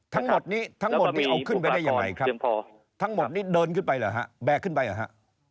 ทั้งหมดนี้ทั้งหมดนี่เอาขึ้นไปได้ยังไงครับทั้งหมดนี้เดินขึ้นไปเหรอฮะแบกขึ้นไปเหรอฮะ